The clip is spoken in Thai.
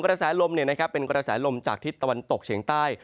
กระแสลมเป็นกระแสลมจากทิศตะวันตกเฉียงใต้